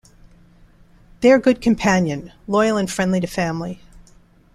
They are good companion, loyal and friendly to family.